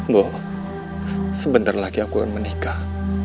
bu sebentar lagi aku akan menikah